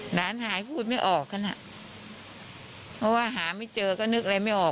หลานหายพูดไม่ออกกันอ่ะเพราะว่าหาไม่เจอก็นึกอะไรไม่ออก